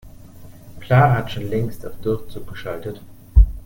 Clara hat schon längst auf Durchzug geschaltet.